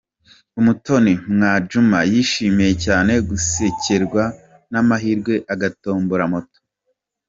Umutoni Mwajuma yishimiye cyane gusekerwa n'amahirwe agatombora Moto.